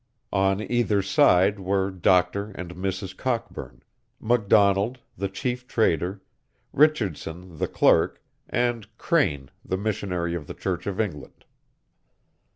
On either side were Doctor and Mrs. Cockburn; McDonald, the Chief Trader; Richardson, the clerk, and Crane, the missionary of the Church of England.